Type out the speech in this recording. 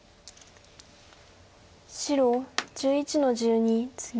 白１１の十二ツギ。